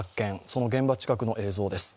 その現場近くの映像です。